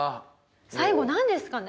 最後なんですかね？